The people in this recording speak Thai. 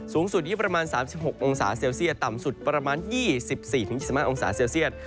สูงสุดอยู่ที่ประมาณ๓๖องศาเซลเซียตต่ำสุดประมาณ๒๔๒๕องศาเซลเซียต